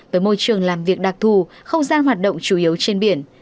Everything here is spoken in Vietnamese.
với môi trường làm việc đặc thù không gian hoạt động chủ yếu trên biển